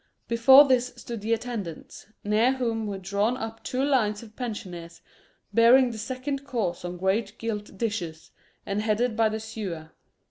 Before this stood the attendants, near whom were drawn up two lines of pensioners bearing the second course on great gilt dishes, and headed by the sewer.